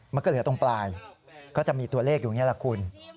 มันก็เหลือตรงปลายก็จะมีตัวเลขอยู่อย่างนี้แหละคุณ